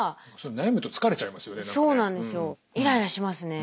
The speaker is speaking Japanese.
悩むと疲れちゃいますよね。